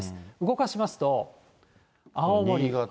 動かしますと、青森。